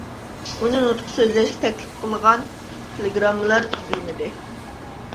ئۇنى نۇتۇق سۆزلەشكە تەكلىپ قىلغان تېلېگراممىلار ئۈزۈلمىدى.